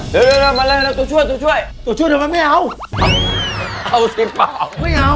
เดี๋ยวมาเลยตัวช่วงตัวช่วงทำไมไม่เอา